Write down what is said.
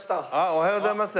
おはようございます。